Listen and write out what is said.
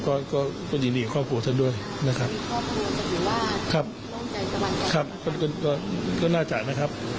เห็นปุ๊บชื่อบอกทะลุ๒๐๐ก็น่าจะเป็นห่วงอยู่นะครับ